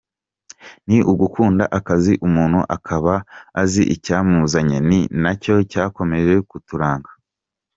Ni ugukunda akazi umuntu akaba azi icyamuzanye, ni nacyo cyakomeje kuturanga.